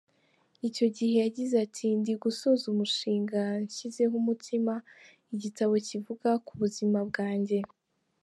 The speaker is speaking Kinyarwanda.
Icyo gihe yagize ati “Ndi gusoza umushinga nshyizeho umutima, igitabo kivuga ku buzima bwanjye.